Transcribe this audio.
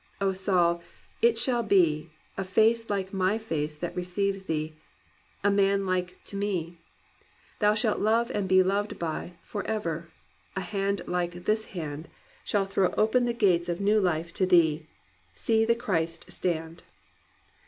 O Saul, it shall be, A Face like my face that receives thee; a man like to me. Thou shalt love and be loved by, forever; a Hand like this hand 278 GLORY OF THE IMPERFECT" Shall throw open the gates of new life to thee ! see the Christ stand!'